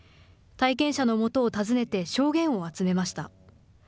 体験者のもとを訪ねて証言を集めました。